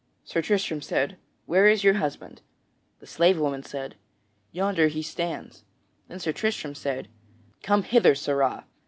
Sir Tristram said, "Where is your husband?" The slave woman said, "Yonder he stands." Then Sir Tristram said: "Come hither, Sirrah!"